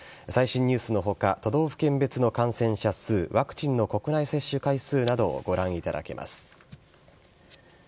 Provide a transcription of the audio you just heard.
最新ニュースのほか、都道府県別の感染者数、ワクチンの国内接種回数などをご覧いただけます。